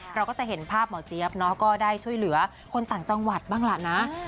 เราก็จะเห็นภาพหมอเจี๊ยบเนาะก็ได้ช่วยเหลือคนต่างจังหวัดบ้างล่ะนะ